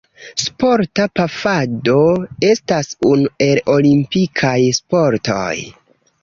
Sporta pafado estas unu el olimpikaj sportoj.